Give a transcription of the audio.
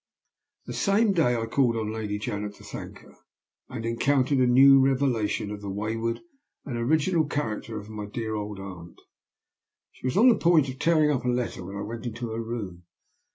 "The same day I called on Lady Janet to thank her, and encountered a new revelation of the wayward and original character of my dear old aunt. "She was on the point of tearing up a letter when I went into her room.